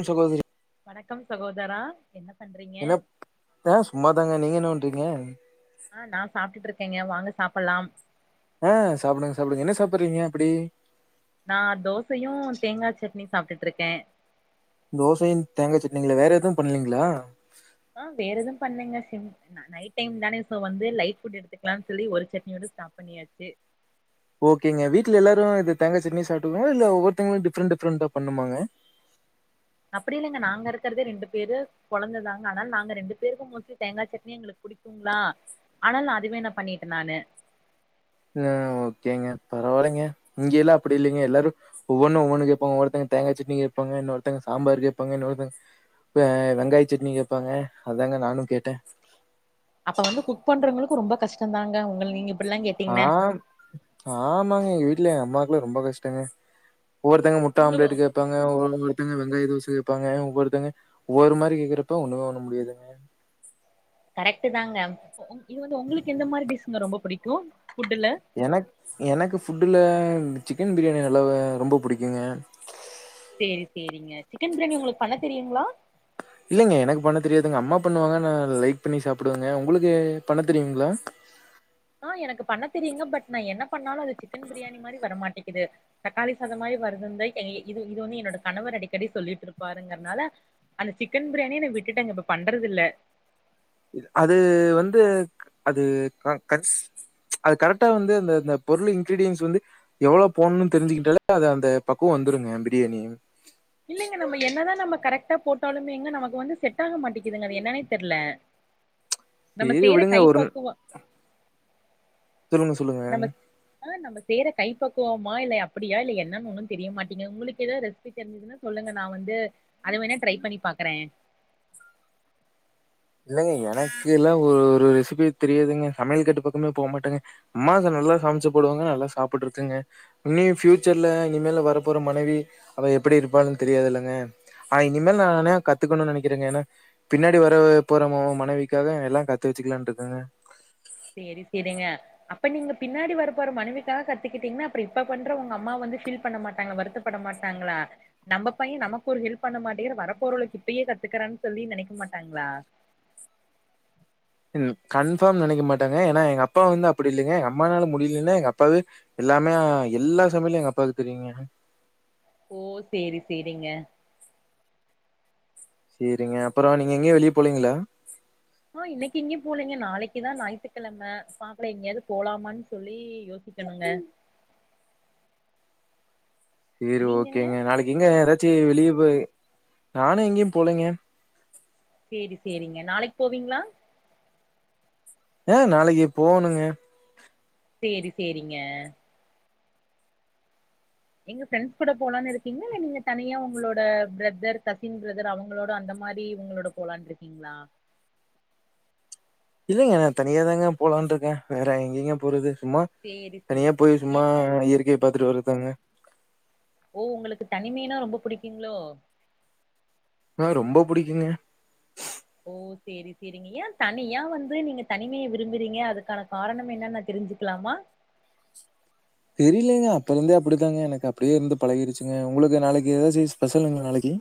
ம் சகோதரி வணக்கம் சகோதரா என்ன பண்றீங்க என்ன ஏ சும்மாதாங்க நீங்க என்ன பண் ங்க ஆஹ் நா சாப்ட்டுட்டு இருக்கேங்க வாங்க சாப்பிடலாம் ஆஹ் சாப்பிடுங்க சாப்பிடுங்க என்ன சாப்பிடுறீங்க அப்டி நா தோசையு தேங்கா சட்னியு சாப்ட்டுட்டு இருக்கே தோசையு தேங்கா சட்னிங்களா வேற எதுவு பண்லீங்களா ஆஹ் வேற எதுவு பண்லேங்க சிம் நைட் டைம் தானே சோ வந்து லைட் ஃபுட் எடுத்துக்கலாம்னு சொல்லி ஒரு சட்னியோட ஸ்டாப் பண்ணியாச்சு ஓகேங்க வீட்ல எல்லாரு இது தேங்காய் சட்னி சாப்புட்டுக்குவாங்க இல்ல ஒவ்வொருத்தங்களு டிஃப்ரெண்ட் டிஃப்ரெண்டா பண்ணுமாங்க அப்படி இல்லைங்க நாங்க இருக்கிறதே ரெண்டு பேரு கொழந்ததாங்க அதனால நாங்க ரெண்டு பேருக்கு மோஸ்ட்லி தேங்காய் சட்னி எங்களுக்கு புடிக்குங்களா அதனால அதுவே பண்ணிட்டேன் நானு ஆ ஓகேங்க பரவால்லைங்க இங்க எல்லாம் அப்பிடி இல்லங்க எல்லாரும் ஒவ்வொன்னும் ஒவ்வொன்னு கேப்பாங்க ஒவ்வொருத்தவங்க தேங்காய் சட்னி கேப்பாங்க இன்னொருத்தங்க சாம்பார் கேப்பாங்க இன்னொருத்தங்க ஆ வெங்காய சட்னி கேப்பாங்க அதாங்க நானும் கேட்டேன் அப்ப வந்து குக் பண்றவங்களுக்கு ரொம்ப கஷ்டம்தாங்க உங்கள நீங்க இப்டில்லா கேட்டீங்கன்னா ஆஹ் ஆமாங்க இல்ல அம்மாக்குலாம் ரொம்ப கஷ்டங்க ஒவ்வொருத்தங்க முட்ட உங்க ஆம்லேட் கேப்பாங்க [unintelligible] ங்க வெங்காயோ தோச கேட்பாங்க ஒவ்வொருத்தங்க ஒவ்வொரு மாரி கேக்கறப்ப ஒண்ணுமே பண்ண முடியாதுங்க கரெக்ட் தாங்க இது வந்து உங்களுக்கு எந்த மாதிரி டிஷுங்க ரொம்ப புடிக்கு ஃபுட்டுல என எனக்கு ஃபுட்டுல சிக்கன் பிரியாணி நல்லாவ ரொம்ப புடிக்குங்க செரி செரிங்க சிக்கன் பிரியாணி உங்களுக்கு பண்ண தெரியுங்களா இல்லைங்க எனக்கு பண்ண தெரியாதுங்க அம்மா பண்ணுவாங்க நா லைக் பண்ணி சாப்பிடுவங்க உங்களுக்கு பண்ண தெரியுங்களா ஆஹ் எனக்கு பண்ண தெரியுங்க பட் நா என்ன பண்ணாலு அது சிக்கன் பிரியாணி மாரி வரமாட்டேங் இது தக்காளி சாதோ மாரி வருதுந்த இது இது வந்து என்னோட கணவர் அடிக்கடி சொல்லிட்டு இருப்பாருங்கறனால அந்த சிக்கன் பிரியாணிய நா விட்டுட்டேங்க இப்ப பண்றதில்ல அது வந்து அது கன்ஸ் அது கரெக்டா வந்து இந்த இந்த பொருள் இன்கிரீடியன்ஸ் வந்து எவ்ளோ போணும்னு தெரிஞ்சுகிட்டாலே அது அந்த பக்குவோ வந்துருங்க பிரியாணி இல்லேங்க நம்ம என்னதா நம்ம கரெக்டா போட்டாலுமே எங்க நமக்கு வந்து செட் ஆக மாட்டிங்குதுங்க அது என்னன்னே தெர்ல. நம்ம சேரி செய்ற விடுங்க ஒரு ந- கைப்பக்குவோ சொல்லுங்க சொல்லுங்க நம்ம [unintelligible] நம்ம செய்ற கை பக்குவமா இல்ல அப்புடியா இல்ல என்னன்னு ஒன்னு தெரிய மாட்டீங்க உங்களுக்கு ஏதாது ரெசிபி தெரிஞ்சுதுன்னா சொல்லுங்க நா வந்து அத வேணா ட்ரை பண்ணி பாக்குறே. இல்லங்க எனக்கு எல்லா ஒரு ஒரு ரெசிபி தெரியாதுங்க சமையல் கெட்டு பக்கமே போகமாட்டேங்க அம்மா நல்லா சமச்சு போடுவாங்க நல்லா சாப்ட்டு இருக்கேங்க இனியு ஃப்யூச்சர்ல இனிமேல வர போற மனைவி அவ எப்படி இருப்பான்ளனு தெரியாது இல்லங்க ஆ இனிமேல நானே கத்துக்கணுனு நெனைக்கிறேங்க ஏனா பின்னாடி வரப் ப்போற மொ மனைவிக்காக எல்லா கத்து வெச்சுக்கலானு இருக்கங்க. சேரி சேரிங்க அப்ப நீங்க பின்னாடி வரப்போற மனைவிக்காக கத்துக்கிட்டீங்கன்னா அப்றோ இப்ப பண்ற உங்க அம்மா வந்து ஃபீல் பண்ண மாட்டாங்க வருத்தப்பட மாட்டாங்களா நம்ம பையே நமக்கு ஒரு ஹெல்ப் பண்ண மாட்டேங்கிற வரப்போரவளுக்கு இப்பயே கத்துக்கறான்னு சொல்லி நெனைக்க மாட்டாங்ளா. ம் கன்ஃபார்ம் நெனக்க மாட்டாங்க ஏனா எங்க அப்பா வந்து அப்டி இல்லைங்க எங்க அம்மனால முடியலின்னா எங்க அப்பாவே எல்லாமே எல்லா சமையலு எங்க அப்பாவுக்கு தெரியுங்க. ஓ சேரி சேரிங்க. சேரிங்க அப்பறோ நீங்க எங்கேயு வெளியே போலீங்களா. ஒ இன்னைக்கு இங்கயு போலீங்க நாளைக்குதா ஞாயித்துக்கெழம பாக்கல எங்கயாவது போலாமான்னு சொல்லி யோசிக்கணுங்க. சேரி நீங்கங்க ஓகேங்க நாளைக்கி இங்க எதாச் ச்சே வெளியே போயி நானு எங்கேயும் போலங்க. சேரி சேரிங்க நாளக்கி போவீங்களா. ஆ நாளைக்கி போகணுங்க. சேரி சேரிங்க. எங்க ஃப்ரெண்ட்ஸ் கூட போலான்னு இருக்கீங்களா இல்ல நீங்க தனியா உங்களோட ஃப்ரதர் கசின் ஃப்ரதர் அவுங்களோட அந்த மாரி இவுங்களோட போலான்னு இருக்கீங்களா. இல்லங்க நா தனியா தாங்க போலான் இருக்கே வேற எங்கங்க போறது. சும்மா சேரி சேரி தனியா போய் சும்மா ஏங்க இயற்கைய பாத்துட்டு வர்றதுதாங்க. ஓ உங்களுக்கு தனிமைனா ரொம்ப புடிக்கிங்ளோ ஆ ரொம்ப புடிக்குங்க. ஓ சேரி சேரிங்க ஏ தனியா வந்து நீங்க தனிமைய விரும்புறீங்க அதுக்கான காரணம் என்னனு நா தெரிஞ்சுக்கலாமா. தெரியலைங்க அப்ப இருந்தே அப்புடித்தாங்க எனக்கு அப்புடியே இருந்து பழகிருச்சுங்க உங்களுக்கு நாளைக்கி எதாவது ஸ்பெஷலங்களா நாளைக்கி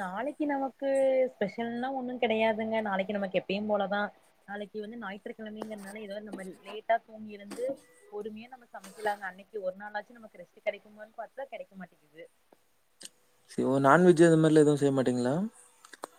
நாளைக்கி நமக்கு ஸ்பெஷல்ன்னா ஒண்ணு கெடையாதுங்க நாளைக்கி நமக்கு எப்பயும் போலதா நாளைக்கி வந்து ஞாயிற்றுக்கிழமைங்கிறதுனால எதாவது நம்ம லேட்டா தூங்கி இருந்து பொறுமையா நம்ம சமைக்கலாங்க அன்னைக்கி ஒரு நாளாச்சும் நமக்கு ரெஸ்ட் கெடைக்குனு பாத்தா கெடைக்க மாட்டேங்கிது. செ ஓ நான்வெஜ் அந்த மாரிலா எதுவும் செய்ய மாட்டீங்களா.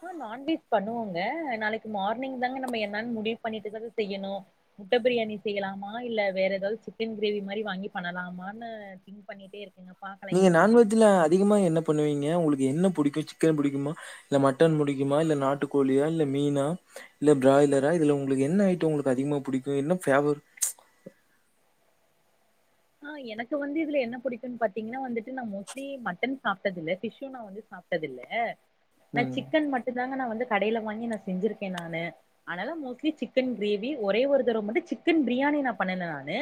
ஆ நான்வெஜ் பண்ணுவோங்க நாளைக்கு மார்னிங் தாங்க நம்ம என்னன்னு முடிவு பண்ணிட்டுதாங்க செய்யணு முட்டை பிரியாணி செய்யலாமா இல்ல வேற எதாவது சிக்கன் கிரேவி மாரி வாங்கி பண்ணலாமான்னு திங்க் பண்ணிட்டே இருக்கங்க. நீங்க நான்வெஞஜ்ல அதிகமா என்ன பண்ணுவீங்க உங்களுக்கு என்ன புடிக் க்கு சிக்கன் புடிக்குமா இல்ல மட்டன் புடிக்குமா இல்ல நாட்டுக்கோழியா இல்ல மீனா இல்ல ஃப்ராய்லரா இதுல உங்களுக்கு என்ன ஐட்டோ உங்களுக்கு அதிகமா புடிக்கும் என்ன ஃபெவர் ஆ எனக்கு வந்து இதுல என்ன புடிக்கும்ன்னு பாத்தீங்கன்னா வந்துட்டு நா மோஸ்ட்லி மட்டன் சாப்டது இல்ல ஃபிஷ்ஷு நா வந்து சாப்டது இல்ல நா ம் சிக்கன் மட்டு தாங்க நா வந்து கடைல வாங்கி நா செஞ்சிருக்கே நானு ஆனா மோஸ்ட்லி சிக்கன் கிரேவி ஒரே ஒரு தடவை மட்டு சிக்கன் பிரியாணி நா பண்ணுனே நானு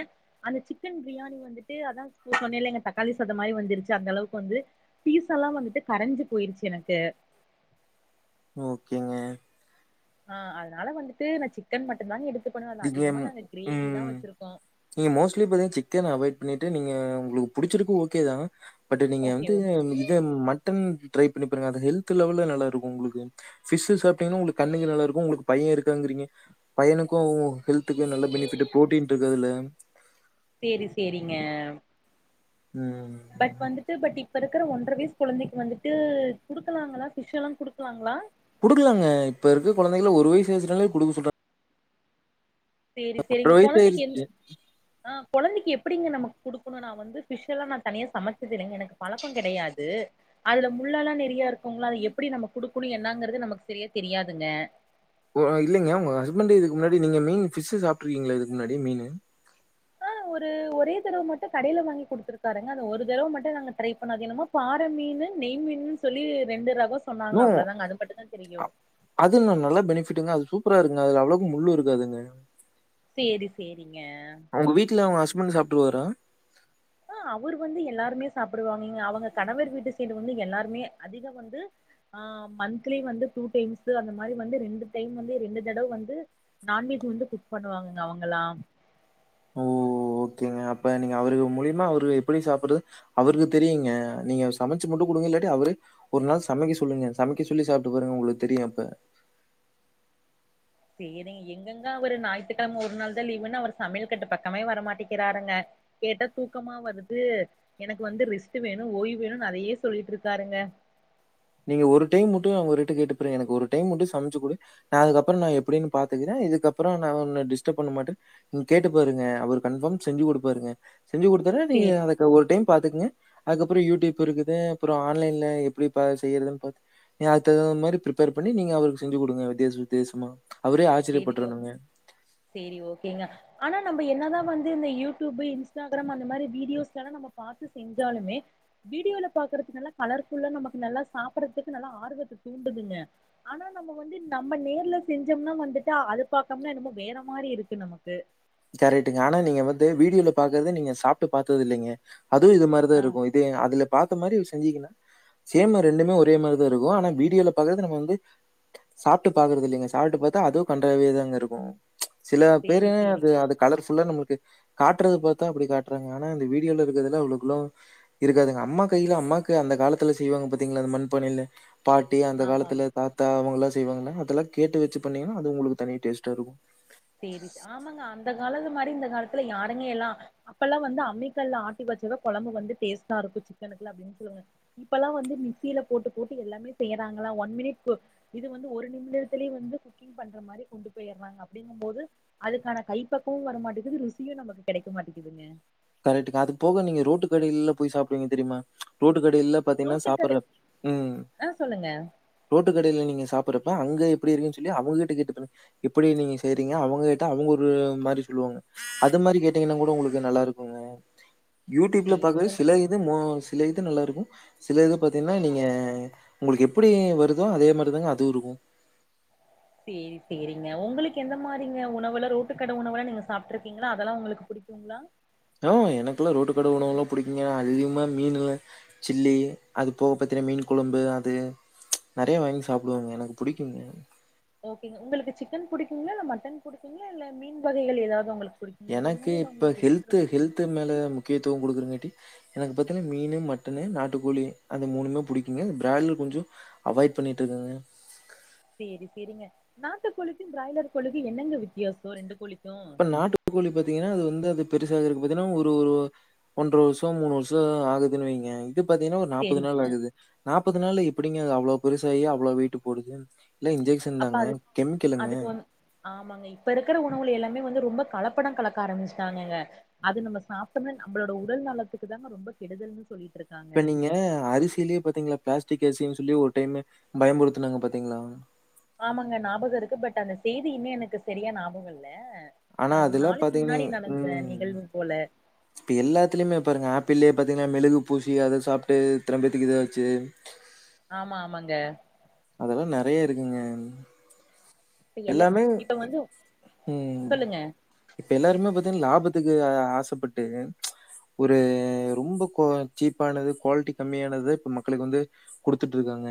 அந்த சிக்கன் பிரியாணி வந்துட்டு அதா சொன்னேல்ல எங்க தக்காளி சாதோ மாரி வந்துருச்சு அந்த அளவுக்கு வந்து பீஸ் எல்லா வந்துட்டு கரைஞ்சு போயிருச்சு எனக்கு ஓகேங்க. ஆ அதனால வந்துட்டு நா சிக்கன் மட்டு தாங்க எடுப் [unintelligible] ம் நீங்க மோஸ்ட்லி பாத்தீங்க சிக்கன் அவாய்ட் பண்ணி நீங்க உங்களுக்கு புடிச்சுருக்கு ஓகே தா பட் நீங்க ஓகே ஓ வந்துட்டு இது மட்டன் ஃட்ரை பண்ணி பாருங்க அது ஹெல்த் லெவல்ல நல்லா இருக்கும் உங்களுக்கு ஃபிஷ் சாப் டிங்கன்னா உங்களுக்கு கண்ணுக்கு நல்லா இருக்கும் உங்களுக்கு பையன் இருக்காங்கிறீங்க பையனுக் [unintelligible] ஹெல்துக்கு நல்ல பெனிஃபிட் ஃப்ரோட்டீன் இருக்கு அதுல சேரி சேரிங்க ம் பட் வந்துட்டு பட் இ இப்ப இருக்குற ஒன்ற வயசு குழந்தைக்கு வந்துட்டு குடுக்கலாங்களா பிஷ் எல்லா குடுக்கலாங்களா குடுக்கலாங்க இப்ப இருக்க கொழந்தைங்களா ஒரு வயசு ஆய்டுச்சினாலே குடுக்க சொல்றாங் சரி சரிங்க கொழந்தைக்கு என் ஆயிருச்சு. ஆ கொழந்தைக்கு எப்படிங்க நம்மக் குடுக்கணும் நா வந்து ஃபிஷ் எல்லா நா தனியா சமைச்சதில்லங்க எனக்கு பழக்கம் கெடையாது அதுல முள்ளல்லா நெறிய இருக்குங்களா அத எப்படி நம்ம குடுக்கணும் என்னங்கறது நமக்கு சரியா தெரியாதுங்க ஓ இல்லைங்க உங்க ஹஸ்பண்ட் இதுக்கு முன்னாடி நீங்க மீன் ஃபிஷு சாப்பிட்டுருக்கீங்களா இதுக்கு முன்னாடி மீன் ஆஹ் ஒரு ஒரே தடவ மட்டு கடைல வாங்கி குடுத்துருக்காருங்க அது ஒரு தடவ மட்டு நாங்க ட்ரை பண்ண அது என்னமோ பாற மீன் நெய் மீனுன் சொல்லி ரெண்டு ரகொ ணோ அ அதுன் ந நல்ல பெனிஃபிட்டுங்க அது சூப் சூப்பரா இருக்ங்க அதுல அவ்ளோக்கா முள்ளு இருக்காதுங்க சேரி சேரி அவுங்க வீட்ல அவங்க ஹஸ் ஸ்பண் சாப்ட்டுவாரா ஆஹ் அவுரு வந்து எல்லாருமே சாப்பிடுவாங்க இங்க அவுங்க கணவர் வீட்டு சைடு வந்து எல்லாருமே அதிக வந்து ஆஹ் மந்த்த்லி வந்து டூ டைம்ஸ் அந்த மாரி வந்து ரெண்டு டைம் வந்து ரெண்டு தடவ வந்து நான்வெஜ் வந்து குக் பண்ணுவாங்கங்க அவுங்கல்லா திங்க அப்ப நீங்க அவரு மூலியமா அவரு எப்படி சாப்படு அவருக் தெரியுங்க நீங்க சமச்சு மட்டு குடுங்க இல்லாட்டி அவரே ஒரு நாள் சமைக்க சொல்லுங்க சமைக்க சொல்லி சாப்ட்டு பாருங்க உங்களுக்கு தெரியு அப்ப செரி எங்கெங்க அவரு நாயித்துக்கெழம ஒரு நாள்தா லீவுன்னு அவர் சமையல் கட்டு பக்கமே வரமாட்டிக்கிறாருங்க கேட்டா தூக்கமா வருது எனக்கு வந்து ரெஸ்ட் வேணு ஓய்வு வேணுனு அதையே சொல்லிட்டு இருக்காருங்க நீங்க ஒரு டைம் மட்டு அவருட்ட கேட்டு பாருங்க எனக்கு ஒரு டைம் மட்டு சமச்சு குடு நா அதுக்கப்பறொ நா எப்படின்னு பாத்துக்குறே இதுக்கப்பறொ நா ஒன்ன டிஸ்டப் பண்ண மாட்டே ம் கேட்டு பாருங்க அவரு கன்ஃபார்ம் செஞ்சு குடுப்பாருங்க செஞ்சு குடுத்தாறுனா நீங்க சேரி அதக்கு ஒரு டைம் பாத்துக்ங்க அதுக்கப்பறொ யூடியூப் இருக்குது அப்பறொ ஆன்லைன்ல எப்டி ப செய்யறதுனு பாத்து நீ அதுக் தகுத மாரி ப்ரிஃப்பேர் பண்ணி நீங்க அவருக்கு செஞ்சு குடுங்க வித்தியாச வித்தியாசமா அவரே சேரி ஓ ஆச்சரியப்பட்டுறணுங்க. சேரி ஓகேங்க ஆனா நம்ம என்னதா வந்து இந்த யூடியூப் இன்ஸ்டாகிராம் அந்த மாரி வீடியோஸ்லலாம் நம்ம பாத்து செஞ்சாலுமே வீடியோல பாக்கறதுக்கு நல்ல கலர்ஃபுல்லா நமக் நல்லா சாப்பறதுக்கு நல்ல ஆர்வத்த தூண்டுதுங்க ஆனா நம்ம வந்து நம்ம நேர்ல செஞ்சம்னா வந்துட் கா அது பாக்கம்மா நம வேற மாரி இருக்கு நமக்கு கரெட்டுங்க ஆனா நீங்க வந்து வீடியோல பாக்குறத நீங்க சாப்ட்டு பாத்ததில்லைங்க அதுவு இது மாரிதா ஆ இருக்கு இது அதுல பாத்த மாரி வி செஞ்சிங்கனா சேம் ரெண்டுமே ஒரே மாரிதா இருக்கு ஆனா வீடியோல பாகறது நம்ம வந்து சாப்ட்டு பாகறது இல்லைங்க சாப்ட்டு பாத்தா அதுவும் கண்ட்ராவியாதாங்க இருக்கு ப்ச் சில பேரு சேரி து சேரிங்க அது கலர்ஃபுல்லா நம்மளுக்கு காட்டுறது பாத்தா அப்படி காட்டுறாங்க ஆனா இந்த வீடியோல இருக்கிறதுலா அவ்ளுக்குள்ள இருக்காதுங்க அம்மா கையில அம்மாக்கு அந்த காலத்துல செய்வாங்க பாத்தீங்களா அந்த மண் பானையில பாட்டி அந்த ஆமாம் காலத்துல தாத்தா அவுங்கல செய்வாங்கல்லா அதெல்லா கேட்டு வச்சு பண்ணீங்கன்னா அது உங்களுக்கு தனி டேஸ்டா இருக்கு சேரி ச ஆமாங்க அந்த காலது மாரி இந்த காலத்துல யாருங்கே எல்லா அப்பெல்லா வந்து அம்மி கல்ல ஆட்டி வச்சத குழம்பு வந்து டேஸ்ட்டா இருக்கு சிக்கனுக்குலா அப்டின்னு சொல்லுவங்க இப்பல்லா வந்து மிக்சியில போட்டு போட்டு எல்லாமே செய்யறாங்கள ஒன் மினிட் இது வந்து ஒரு நிமிடத்துலயே வந்து குக்கிங் பண்ற மாரி கொண்டு போயடுறாங்க அப் அப்டிங்குமபோது அதுக்கான கைப்பக்குவு வரமாட்டேக்குது ருசியும் நமக்கு கெடைக்க மாட்டேக்குதுங்க கரெக்டுக் அது போக நீங்க ரோட்டு கடையில போய் சாப்பிடுவீங்க தெரியுமா ப்ச் ரோட் ரோட்டு கடையில பாத்தீங்கன்னா ரோட்டு கட சாப்பிட்ற ம் ஆ சொல்லுங்க ரோட்டு கடையில் நீங்க சாப் துறுப்ப அங்க எப்பிடி இருக்குனு சொல்லி அவுங்கட்ட கேட்டுபாருங்க எப்டி நீங்க செய்றீங்க அவுங் கேட்டா அவுங்க ஒரு மாரி சொல்லுவாங்க அது மாரி கேட்டிங்கனா கூட உங்களுகு நல்லாருக் [unintelligible] யூட்யூப்ல பாக்றது சேரிங்க சில இது மோ சில இது நல்லா இருக் சில இது பாத்தீங்கன்னா நீங்க உங்களுக்கு எப்படி வருதோ அதே மாதிரிதாங்க அது இருக்கு சேரி சேரிங்க உங்களுக்கு எந்த மாரிங்க உணவுல ரோட்டு கட உணவுலா நீங்க சாப்பிட்டு இருக்கீங்களா அதெல்லா உங்களுக்கு பிடிக்குங்களா ஆஹ் எனக்குல்லா ரோட்டு கட உணவு எல்லா பிடிக்குங்க அதிகமா மீன்னு சில்லி அது போக பத்தின மீன் குழம்பு அது நெறைய வாங்கி சாப்பிடுவாங்க எனக்கு பிடிக்குங்க ஓகேங்க உங்களுக்கு சிக்கன் பிடிக்குங்களா இல்ல மட்டன் பிடிக்குங்களா இல்ல மீன் வகைகள் ஏதாவது உங்களுக் எனக்கு இப்ப ஹெல்து ஹெல்து மேல முக்கியத்துவம் கொடுக்குறங்கட்டி எனக் பத்தன்ன மீன்னு மட்டன்னு நாட்டுக்கோழி அந்த மூணுமே பிடிக்குங்க பிராயலர் கொஞ்ச அவாய்ட் பண்ணிட்டு இருக்கங்க சேரி சேரிங்க நாட்டுக்கோழிக்கு பிராய்லர் கோழிக்கு என்னெங்க வித்தியாசம் ரெண்டு கோழிக் இப்ப நாட்டுக்கோழி பாத்தீங்கன்னா அது வந்து அது பெருசாகறக்கு பாத்தீங்கன்னா ஒரு ஒரு ஒன்றர வருஷ மூணு வருஷ ஆகுதுன்னு வைங்க இது பாத்தீங்கன்னா ஒரு நாப்பது சேரிங்க நாள் ஆகுது நாப் முப்பது நாளுல எப்பிடிங்க அவ்ளோ பெருசாயி அவ்ளோ வெயிட் போடுது எல்லாம் இன்ஜெக்ஷன் அப்ப தாங்க, அது கெமிக்கலுங்க. அதுக்கு வந்து ஆமாங்க இப்ப இருக்கிற உணவு எல்லாமே வந்து ரொம்ப கலப்பட கலக்க ஆரம்பிச்சிட்டாங்கக அது நம்ம சாப்பிட்ட உடனே நம்மளோட உடல் நலத்துக்கு தாங்க ரொம்ப கேடுதல் சொல்லி இப்ப நீங்க அரிசியிலேயே பாத்தீங்களா பிளாஸ்டிக் அரிசி சொல்லி ஒரு டைமு பயம்முறுத்து நாங்க பாத்தீங்களா ஆமாங்க ஞாபகம் இருக்கு பட் அந்த செய்தியுமே எனக்கு சரியா ஞாபகமில்ல ஆனா அதெல்லா பாத்தீங்கன்னா உம் நிகழ்வு போல இப்ப எல்லாத்துலயுமே பாருங்க ஆப்பிளு பாத்தீங்கன்னா மெழுகு பூசி அத சாப்பிட்டு திரம்பேத்துக்கு இது ஆச்சி ஆமா ஆமாங்க அதெல்லா நெறைய இருக்குங்க இப்ப எல்லா எல்லாமே இப்ப வந்து உஹம் சொல்லுங்க இப்ப எல்லாருமே லாபத்துக்கு ஆசப்பட்டு ச் ஒரு ரொம்ப கோ சீப்பானது குவாலிட்டி கம்மியானது இப்ப மக்களுக்கு வந்து குடுத்துட்டு இருக்காங்க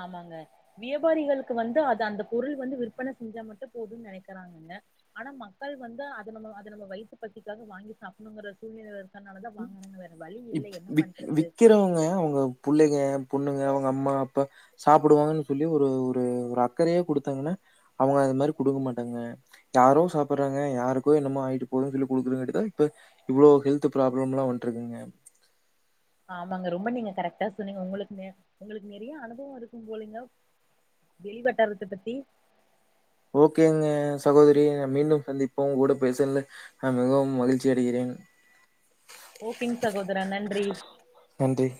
ஆமாங்க வியாபாரிகளுக்கு வந்து அது அந்த பொருள் வந்து விற்பன செஞ்சா மட்டு போதும்னு நினைக்கிறாங்கங்க ஆனா மக்கள் வந்து அத நம்ம அத நம்ம வயிற்று பசிக்காக வாங்கி சாப்பிடணுங்கற சூழ்நிலை விக் விக் பண்றது விக்கிறவங்க அவங்க புள்ளைங்க பொண்ணுங்க அவங்க அம்மா அப்பா சாப்பிடுவாங்கன்னு சொல்லி ஒரு ஒரு ஒரு அக்கறையே கொடுத்தாங்கன்னா அவங்க அந்த மாரி குடுக்கமாட்டாங்க யாரோ சாப்பிட்றாங்க யாருக்கோ என்னமோ ஆகிட்டு போதும்னு சொல்லி குடுக்கறகாட்டியும் தான இப்போ இவ்ளோ ஹெல்த் ப்ராப்ளமெல்லா வந்துட்டு இருக்குங்க ஆமாங்க ரொம்ப நீங்க கரெக்டா சொன்னீங்க உங்களுக்கு உங்களுக்கு நெறைய அனுபவம் இருக்கும் போலிங்க வெளிவட்டாரத்த பத்தி ஓகேங்க சகோதரி மீண்டும் சந்திப்போம் கூட பேசல நா மிகவும் மகிழ்ச்சி அடைகிறேன் ஓகேங்க சகோதரா நன்றி நன்றி.